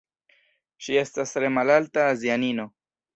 Ŝi estas tre malalta azianino